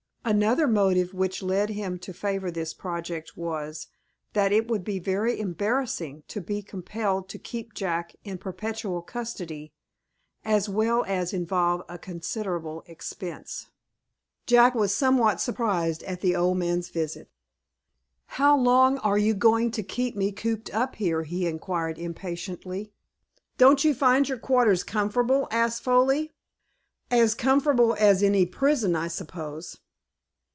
Another motive which led him to favor this project was, that it would be very embarrassing to be compelled to keep Jack in perpetual custody, as well as involve a considerable expense. Jack was somewhat surprised at the old man's visit. "How long are you going to keep me cooped up here?" he inquired, impatiently. "Don't you find your quarters comfortable?" asked Foley. "As comfortable as any prison, I suppose."